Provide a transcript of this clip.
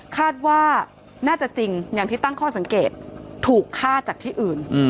คาดว่าน่าจะจริงอย่างที่ตั้งข้อสังเกตถูกฆ่าจากที่อื่น